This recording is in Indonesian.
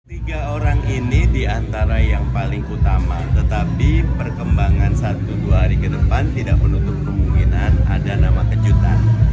tiga orang ini diantara yang paling utama tetapi perkembangan satu dua hari ke depan tidak menutup kemungkinan ada nama kejutan